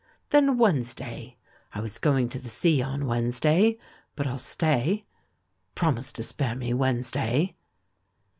"Then Wednesday ? I w^as going to the sea on Wednesday, but I'll stay. Promise to spare me Wednesday."